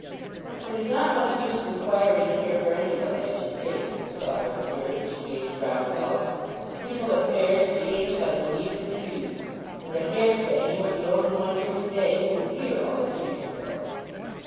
"It is not much use inquiring here for anybody, I should think," the daughter observed, as she gazed round about. "People at fairs change like the leaves of trees; and I daresay you are the only one here to day who was here all those years ago."